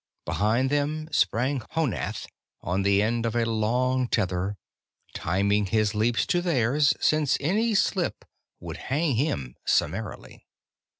Behind them sprang Honath on the end of a long tether, timing his leaps by theirs, since any slip would hang him summarily.